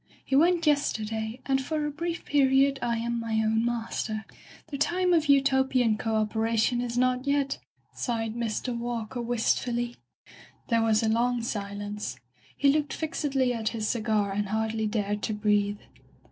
He went yesterday, and for a brief period I am my own master. The time of Utopian co operation is not yet,'* sighed Mr. Walker wistfully. There was a long silence. He looked fixedly at his cigar and hardly dared to breathe.